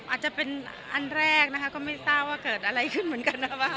อาจจะเป็นอันแรกนะคะก็ไม่ทราบว่าเกิดอะไรขึ้นเหมือนกันนะคะ